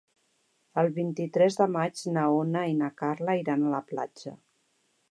El vint-i-tres de maig na Noa i na Carla iran a la platja.